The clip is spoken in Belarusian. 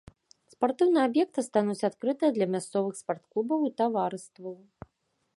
Спартыўныя аб'екты стануць адкрытыя для мясцовых спартклубаў і таварыстваў.